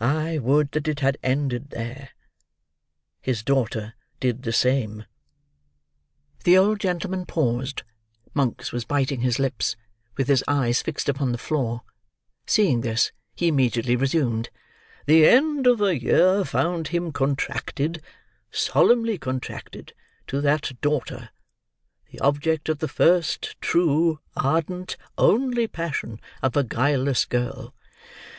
I would that it had ended there. His daughter did the same." The old gentleman paused; Monks was biting his lips, with his eyes fixed upon the floor; seeing this, he immediately resumed: "The end of a year found him contracted, solemnly contracted, to that daughter; the object of the first, true, ardent, only passion of a guileless girl."